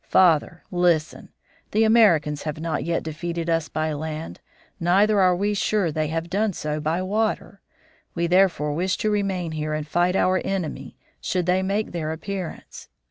Father, listen! The Americans have not yet defeated us by land; neither are we sure they have done so by water; we therefore wish to remain here and fight our enemy, should they make their appearance.